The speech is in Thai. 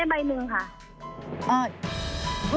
แล้วทีนี้เขาก็เอาไปบ้านแฟนเขา